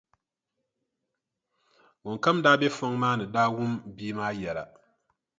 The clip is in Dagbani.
Ŋun kam daa be fɔŋ maa ni daa wum bia maa yɛla.